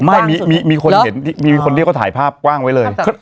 ไม่มีคนเห็นมีคนที่เขาถ่ายภาพกว้างไว้เลย